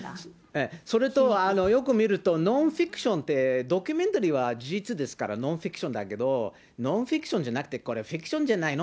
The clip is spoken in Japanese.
それと、よく見るとノンフィクションじゃなくてドキュメンタリーは事実ですからノンフィクションだけど、ノンフィクションじゃなくて、これ、フィクションじゃないの？